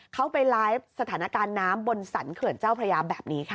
เขาไปไลฟ์สถานการณ์น้ำบนสรรเขื่อนเจ้าพระยาแบบนี้ค่ะ